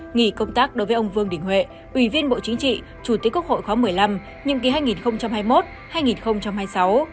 nghỉ công tác đối với ông vương đình huệ ủy viên bộ chính trị chủ tịch quốc hội khóa một mươi năm nhiệm kỳ hai nghìn hai mươi một hai nghìn hai mươi sáu